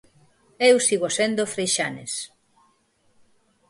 Eu sigo sendo Freixanes.